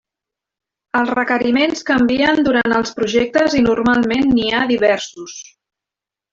Els requeriments canvien durant els projectes i normalment n'hi ha diversos.